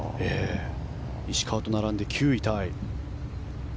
石川と並んで９位タイ。